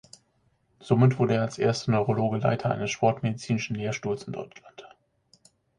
Somit wurde er als erster Neurologe Leiter eines sportmedizinischen Lehrstuhls in Deutschland.